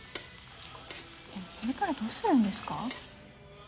でもこれからどうするんですか？